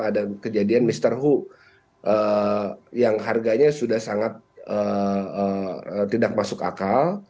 ada kejadian mr who yang harganya sudah sangat tidak masuk akal